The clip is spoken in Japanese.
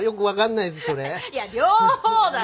いや両方だよ。